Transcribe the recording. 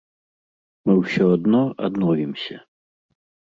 Мы ўсё адно адновімся.